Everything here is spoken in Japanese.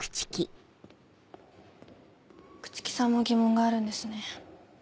口木さんも疑問があるんですね。